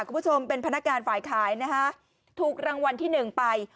คุณผู้ชมเป็นพนักงานฝ่ายขายนะคะถูกรางวัลที่หนึ่งไป